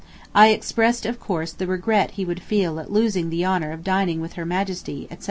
I expressed, of course, the regret he would feel at losing the honor of dining with Her Majesty, etc.